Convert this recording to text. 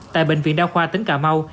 tại bệnh viện đa khoa tỉnh cà mau